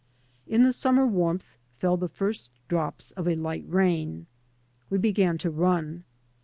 In the summer warmth fell the first drops of a light rain. We began to run.